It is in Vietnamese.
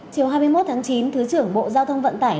chiều hai mươi một tháng chín thứ trưởng bộ giao thông vận tải